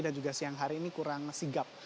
dan juga siang hari ini kurang sigap